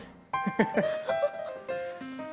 フフフッ。